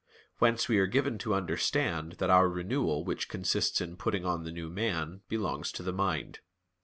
Whence we are given to understand that our renewal which consists in putting on the new man, belongs to the mind.